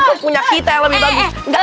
ini tuh punya kita yang lebih bagus